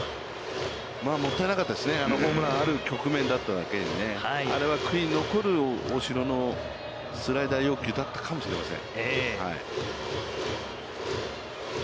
まあ、もったいなかったですね、ホームランある局面だっただけに。あれは悔いが残る大城のスライダー要求だったかもしれません。